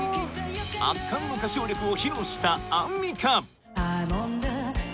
圧巻の歌唱力を披露したアンミカ